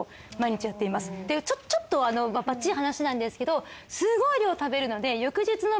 ちょっとばっちい話なんですけど。